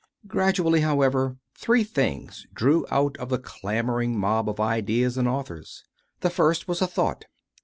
Gradually, however, three things drew out of the clamouring mob of ideas and authors. The first was a thought.